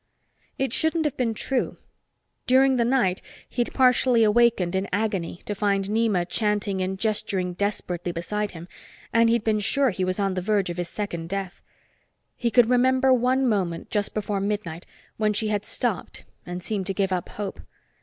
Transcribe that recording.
It shouldn't have been true. During the night, he'd partially awakened in agony to find Nema chanting and gesturing desperately beside him, and he'd been sure he was on the verge of his second death. He could remember one moment, just before midnight, when she had stopped and seemed to give up hope.